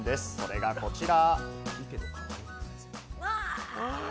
それがこちら。